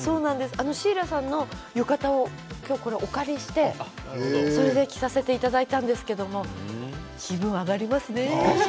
シーラさんの浴衣をお借りしてそれで着させていただいたんですけど気分が上がりますね。